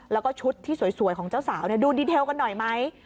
แล้วก็ชุดที่สวยของเจ้าสาวดูดีเทลกันหน่อยไหม